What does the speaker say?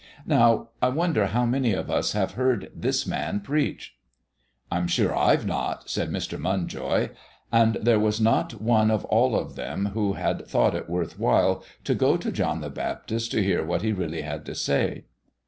Now, I wonder how many of us have heard this man preach." "I'm sure I've not," said Mr. Munjoy. And there was not one of all of them who had thought it worth while to go to John the Baptist to hear what he really had to say.